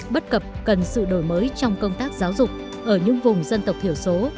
bất cập cần sự đổi mới trong công tác giáo dục ở những vùng dân tộc thiểu số